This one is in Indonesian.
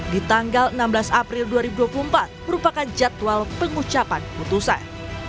di tanggal enam belas april dua ribu dua puluh empat merupakan jadwal pengucapan putusan